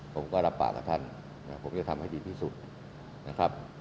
ผมก็รับปากกับท่านผมจะทำให้ดีที่สุดนะครับ